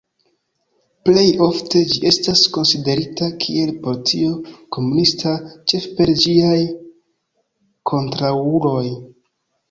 Plej ofte, ĝi estas konsiderita kiel partio komunista, ĉefe per ĝiaj kontraŭuloj.